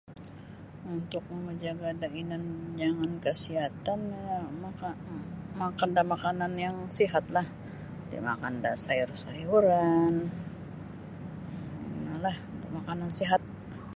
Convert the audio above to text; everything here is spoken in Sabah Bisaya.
Untuk mamajaga' da inan jangan kesihatan yo maka makan da makanan sihat seperti makan da sayur-sayuran inolah makanan sihat.